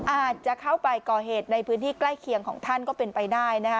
อาจจะเข้าไปก่อเหตุในพื้นที่ใกล้เคียงของท่านก็เป็นไปได้นะคะ